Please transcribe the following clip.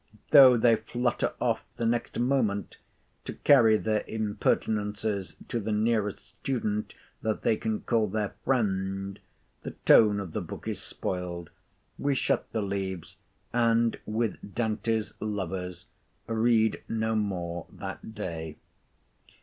Though they flutter off the next moment, to carry their impertinences to the nearest student that they can call their friend, the tone of the book is spoiled; we shut the leaves, and, with Dante's lovers, read no more that day.